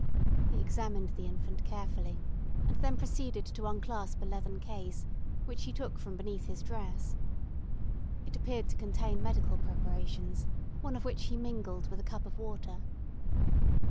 He examined the infant carefully, and then proceeded to unclasp a leathern case, which he took from beneath his dress. It appeared to contain medical preparations, one of which he mingled with a cup of water.